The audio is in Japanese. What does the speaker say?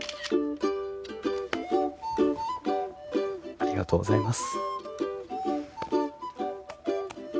ありがとうございます。